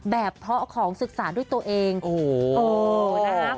แบบเพราะของศึกษาด้วยตัวเองโอ้โหโอ้โหนะคะ